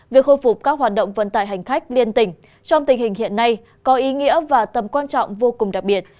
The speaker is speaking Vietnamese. việc khôi phục các hoạt động vận tải hành khách liên tỉnh trong tình hình hiện nay có ý nghĩa và tầm quan trọng vô cùng đặc biệt